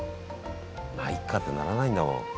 まあいっかってならないんだもん。